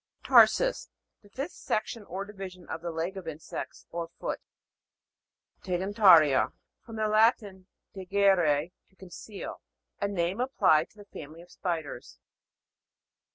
TAR'SUS. The fifth section or divi sion of the leg of insects, or foot. TEGENA'RIA. From the Latin, tegere, to conceal. A name applied to the family of spiders.